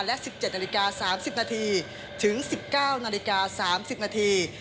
และ๑๗นาฬิกา๓๐นาทีถึง๑๙นาฬิกา๓๐นาที